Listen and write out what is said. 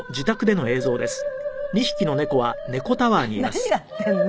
何やってんの？